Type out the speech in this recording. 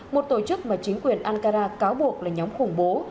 một tổ chức mà chính quyền ankara cáo buộc là nhóm khủng bố